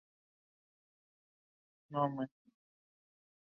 There she began to work on the design of seaplane hulls and floats.